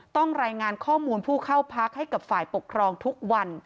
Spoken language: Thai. ต้องรายงานข้อมูลผู้เข้าพักให้กับฝ่ายปกครองทุกวัน